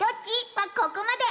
はここまで。